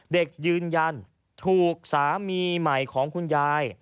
ยืนยันถูกสามีใหม่ของคุณยาย